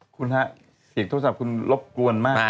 คุณฮะเสียงโทรศัพท์คุณรบกวนมาก